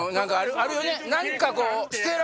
あるよね？